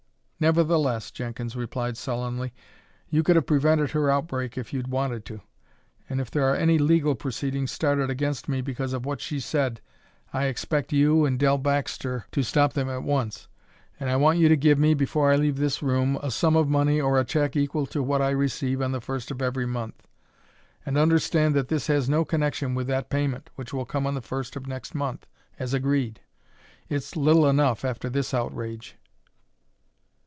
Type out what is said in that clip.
"Nevertheless," Jenkins replied sullenly, "you could have prevented her outbreak if you'd wanted to; and if there are any legal proceedings started against me because of what she said I expect you and Dell Baxter to stop them at once. And I want you to give me, before I leave this room, a sum of money or a check equal to what I receive on the first of every month. And understand that this has no connection with that payment, which will come on the first of next month, as agreed. It's little enough, after this outrage."